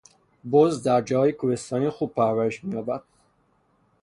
بز در جاهای کوهستانی خوب پرورش مییابد.